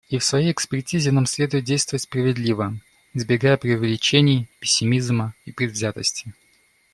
И в своей экспертизе нам следует действовать справедливо, избегая преувеличений, пессимизма и предвзятости.